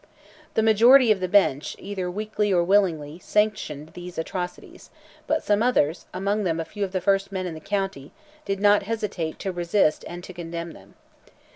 The majority of the bench, either weakly or willingly, sanctioned these atrocities, but some others, among them a few of the first men in the county, did not hesitate to resist and condemn them.